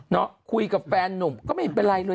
คุยกับแฟนนุ่มก็ไม่เป็นไรเลย